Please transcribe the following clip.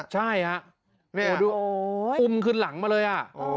ใช่น่ะนี่อ่ะอุ่มขึ้นหลังมาเลยอ่ะ